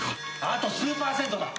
あと数パーセントだ！